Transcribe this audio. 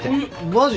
マジ？